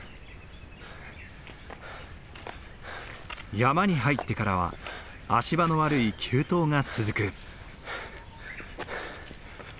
山に入ってからは足場の悪い急登が続く。